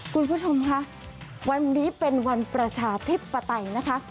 คุณผู้ชมค่ะวันนี้เป็นวันประชาธิปไตยนะคะ